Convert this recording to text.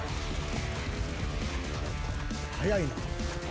速いな。